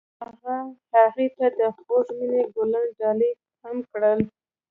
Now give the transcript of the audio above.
هغه هغې ته د خوږ مینه ګلان ډالۍ هم کړل.